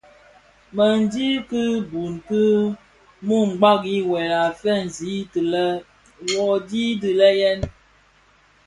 MË ndhi kibuň ki mum ndhami wuèl a feegsi ti lè: wuodhi dii le yèn.